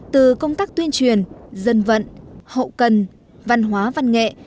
từ công tác tuyên truyền dân vận hậu cần văn hóa văn nghệ